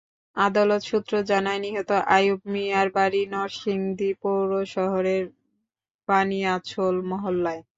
আদালত সূত্র জানায়, নিহত আইয়ুব মিয়ার বাড়ি নরসিংদী পৌর শহরের বানিয়াছল মহল্লায়।